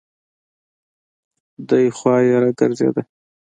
دی خوا يې راګرځېده.